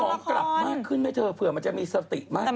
กลับมากขึ้นไหมเธอเผื่อมันจะมีสติมากขึ้น